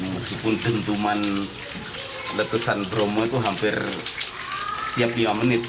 meskipun tentu letusan bromo itu hampir tiap lima menit